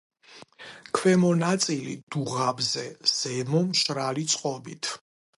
ქვემო ნაწილი დუღაბზე, ზემო მშრალი წყობით.